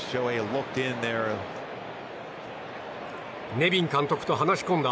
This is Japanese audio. ネビン監督と話し込んだ